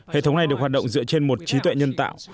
hệ thống này được hoạt động dựa trên một trí tuệ nhân tạo